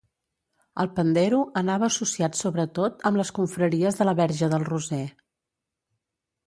El pandero anava associat sobretot amb les confraries de la Verge del Roser.